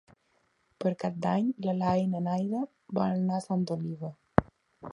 Per Cap d'Any na Laia i na Nàdia volen anar a Santa Oliva.